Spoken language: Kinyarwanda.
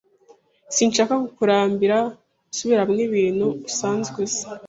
Sinshaka kukurambira nsubiramo ibintu usanzwe uzi.